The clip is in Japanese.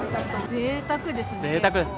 ぜいたくですね。